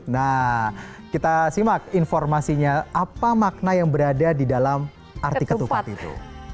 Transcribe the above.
nah kita simak informasinya apa makna yang berada di dalam arti ketupat itu